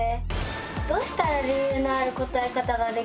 どうしたら理由のある答え方ができるんでしょうか？